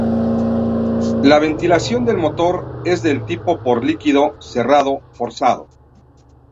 La ventilación del motor es del tipo por líquido, cerrado, forzado.